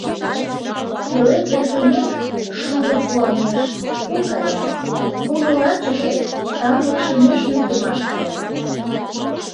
Пелед эртымек, шудо пуаҥеш, пуркая; уло лачыже, тамлыкше нӧшмӧ темаш кая.